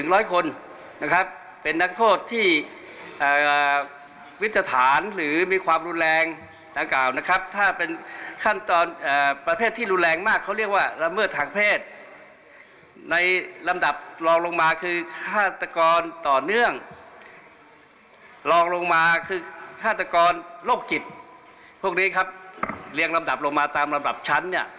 ลองลงมาคือฆาตกรโรคกิจพวกนี้ครับเรียงลำดับลงมาตามลำดับชั้น